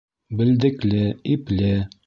Белдекле, ипле...